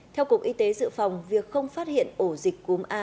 theo cục y tế dự phòng việc không phát hiện ổ dịch cúm a